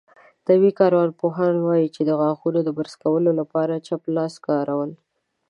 طبي کارپوهان وايي، چې د غاښونو د برس کولو لپاره چپ لاس کارول